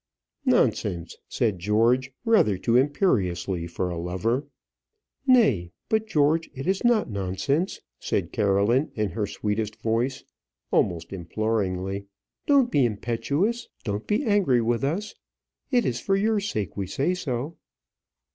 "Nonsense!" said George, rather too imperiously for a lover. "Nay, but George, it is not nonsense," said Caroline, in her sweetest voice, almost imploringly. "Don't be impetuous; don't be angry with us. It is for your sake we say so."